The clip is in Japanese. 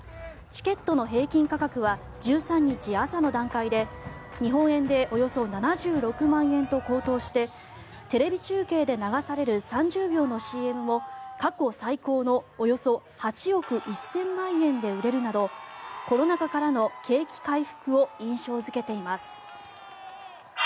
チケットの平均価格は１３日朝の段階で日本円でおよそ７６万円と高騰してテレビ中継で流される３０秒のＣＭも過去最高のおよそ８億１０００万円で売れるなどコロナ禍からの景気回復を印象付けています。